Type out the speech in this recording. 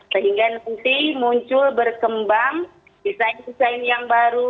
sehingga nanti muncul berkembang desain desain yang baru